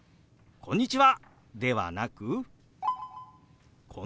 「こんにちは。